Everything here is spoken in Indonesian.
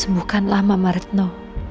sembukalah mama reyno